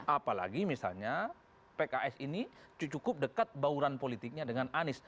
apalagi misalnya pks ini cukup dekat bauran politiknya dengan anies